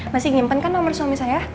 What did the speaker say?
masih nyimpen kan nomor suami saya